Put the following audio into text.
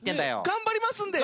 頑張りますんで。